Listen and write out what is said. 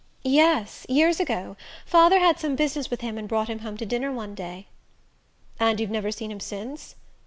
"Yes years ago; father had some business with him and brought him home to dinner one day." "And you've never seen him since?"